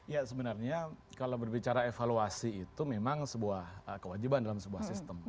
ya sebenarnya kalau berbicara evaluasi itu memang sebuah kewajiban dalam sebuah sistem